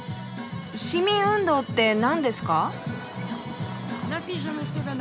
市民運動ってなんですか？